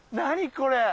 これ。